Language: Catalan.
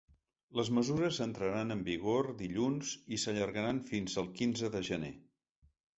Les mesures entraran en vigor dilluns i s’allargaran fins al quinze de gener.